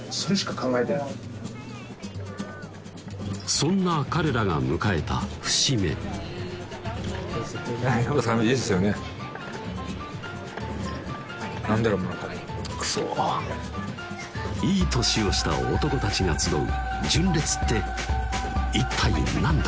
そんな彼らが迎えた節目何だろう何かもうクソいい年をした男たちが集う「純烈」って一体何だ？